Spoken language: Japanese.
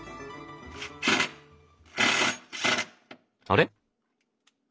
あれ？